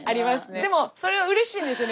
でもそれがうれしいんですよね